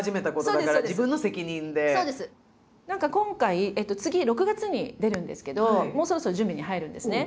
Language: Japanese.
何か今回次６月に出るんですけどもうそろそろ準備に入るんですね。